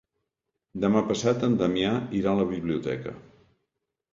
Demà passat en Damià irà a la biblioteca.